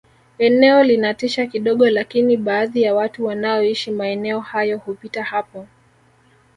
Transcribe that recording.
eneo linatisha kidogo lakini baadhi ya watu wanaoishi maeneo hayo hupita hapo